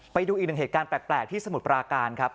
ไปดูอีกหนึ่งเหตุการณ์แปลกที่สมุทรปราการครับ